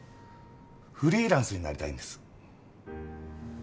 フリーランスになりたいんです。